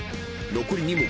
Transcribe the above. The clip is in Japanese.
［残り２問。